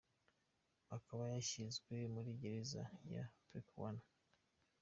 Akaba yashyizwe muri gereza ya Lackawanna.